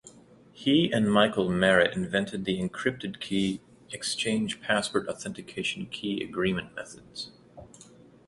He and Michael Merritt invented the Encrypted key exchange password-authenticated key agreement methods.